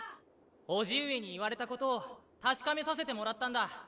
叔父上に言われたことを確かめさせてもらったんだ。